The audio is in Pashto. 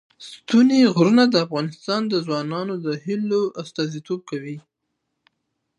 ستوني غرونه د افغان ځوانانو د هیلو استازیتوب کوي.